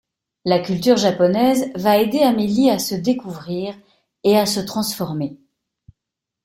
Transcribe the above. La culture japonaise va aider Amélie à se découvrir et à se transformer...